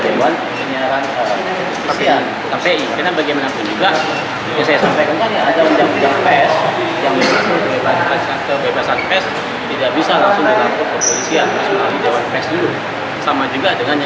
sama juga dengan yang diperkirakan ini